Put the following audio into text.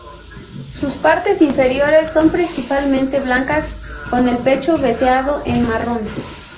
Sus partes inferiores son principalmente blancas con el pecho veteado en marrón.